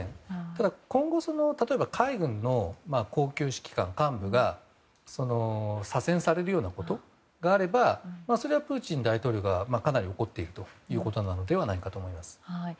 ただ、今後例えば海軍の高級指揮官幹部が左遷されるようなことがあればそれはプーチン大統領がかなり怒っているということではないかと思います。